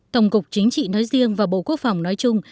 tổng cục chính trị nói riêng và bộ quốc phòng nói chung